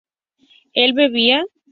¿él bebía?